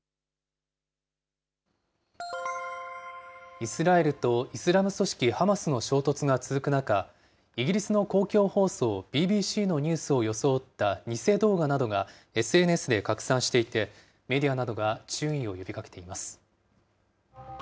イスラエルとイスラム組織ハマスの衝突が続く中、イギリスの公共放送ＢＢＣのニュースを装った偽動画などが、ＳＮＳで拡散していて、メディアなどが注意を呼びかけています。